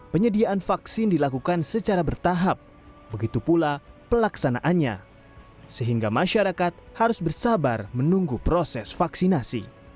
penyediaan vaksin dilakukan secara bertahap begitu pula pelaksanaannya sehingga masyarakat harus bersabar menunggu proses vaksinasi